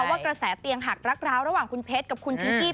ว่ากระแสเตียงหักรักร้าวระหว่างคุณเพชรกับคุณพิงกี้